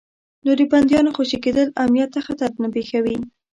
نو د بندیانو خوشي کېدل امنیت ته خطر نه پېښوي.